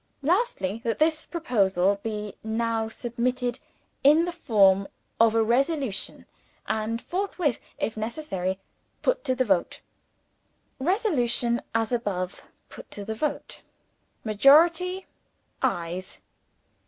Lastly, that this proposal be now submitted, in the form of a resolution, and forthwith (if necessary) put to the vote. Resolution, as above, put to the vote. Majority Ayes.